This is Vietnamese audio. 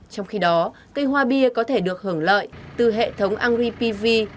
trong khi đó cây hoa bia có thể được hưởng lợi từ hệ thống angry pv